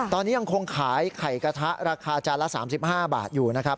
ตอนนี้ยังคงขายไข่กระทะราคาจานละ๓๕บาทอยู่นะครับ